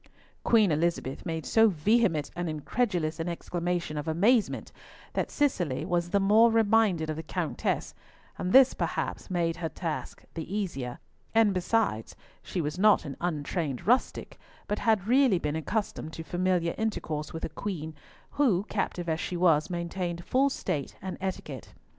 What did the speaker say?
Queen Elizabeth made so vehement and incredulous an exclamation of amazement that Cicely was the more reminded of the Countess, and this perhaps made her task the easier, and besides, she was not an untrained rustic, but had really been accustomed to familiar intercourse with a queen, who, captive as she was, maintained full state and etiquette.